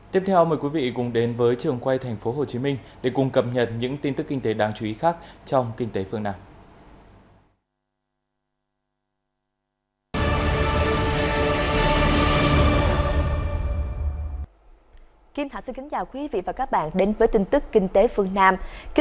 tiếp theo mời quý vị cùng đến với trường quay tp hcm để cùng cập nhật những tin tức kinh tế đáng chú ý khác trong kinh tế phương nam